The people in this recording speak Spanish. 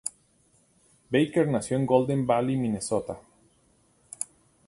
Baker nació en Golden Valley, Minnesota.